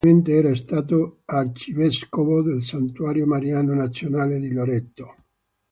Precedentemente era stato arcivescovo del Santuario Mariano nazionale di Loreto.